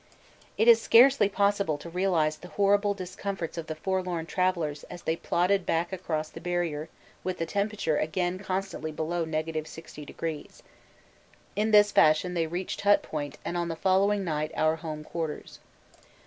It is scarcely possible to realise the horrible discomforts of the forlorn travellers as they plodded back across the Barrier with the temperature again constantly below 60°. In this fashion they reached Hut Point and on the following night our home quarters.